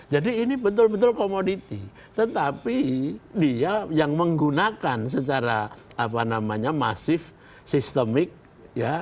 jadi ini betul betul komoditi tetapi dia yang menggunakan secara apa namanya masif sistemik ya